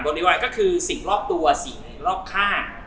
ดีวายก็คือสิ่งรอบตัวสิ่งรอบข้าง